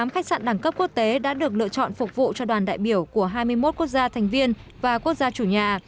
một mươi khách sạn đẳng cấp quốc tế đã được lựa chọn phục vụ cho đoàn đại biểu của hai mươi một quốc gia thành viên và quốc gia chủ nhà